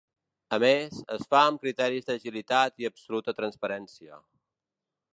A més, es fa amb criteris d’agilitat i absoluta transparència.